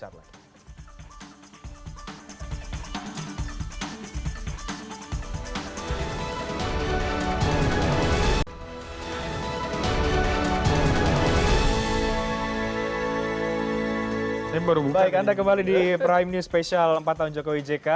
baik anda kembali di prime news special empat tahun jokowi jk